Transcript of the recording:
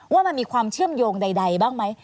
ว่ามันมีความเชื่อมโยงใดบ้างไหม